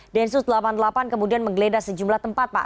densus delapan puluh delapan kemudian menggeledah sejumlah tempat pak